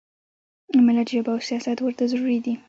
ملت ژبه او سیاست ورته ضرورت لري.